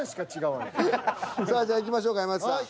さあじゃあいきましょうか山内さん。